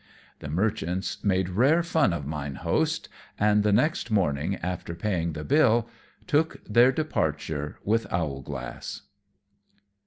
The Merchants made rare fun of mine host, and the next morning, after paying the bill, took their departure with Owlglass.